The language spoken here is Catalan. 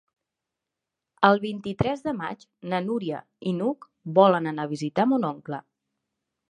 El vint-i-tres de maig na Núria i n'Hug volen anar a visitar mon oncle.